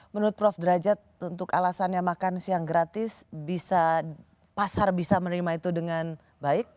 menurut prof derajat untuk alasannya makan siang gratis bisa pasar bisa menerima itu dengan baik